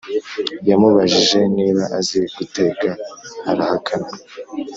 yamubajije niba azi guteka arahakana